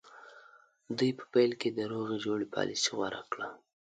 دوی په پیل کې د روغې جوړې پالیسي غوره کړه.